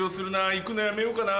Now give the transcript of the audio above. いくのやめようかな？